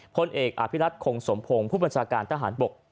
พลเอกอภิรัตคงสมพงศ์ผู้บัญชาการทหารบก